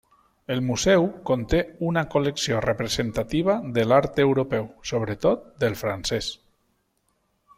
El museu conté una col·lecció representativa de l'art europeu, sobretot del francès.